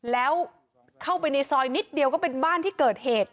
แล้วเข้าไปในซอยนิดเดียวก็เป็นบ้านที่เกิดเหตุ